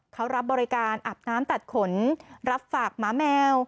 เขารับบริการอาบน้ำตัดขนรับฝากหมาแมว